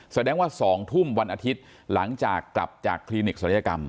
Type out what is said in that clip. แสดงว่า๒ทุ่มวันอาทิตย์หลังจากกลับจากคลินิกศัลยกรรม